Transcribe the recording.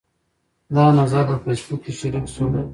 دا نظر په فیسبوک کې شریک شو.